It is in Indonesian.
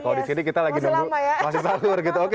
kalau di sini kita lagi nunggu mas salur